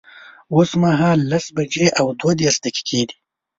اوس مهال لس بجي او دوه دیرش دقیقی دی